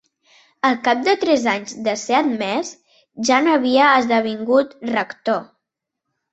Al cap de tres anys de ser admès ja n'havia esdevingut rector.